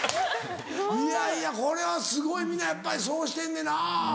いやいやこれはすごい皆やっぱりそうしてんねな。